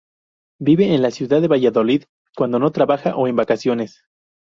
Vive en la ciudad de Valladolid cuando no trabaja o en vacaciones.